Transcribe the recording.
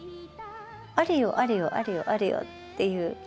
あれよあれよあれよあれよっていう。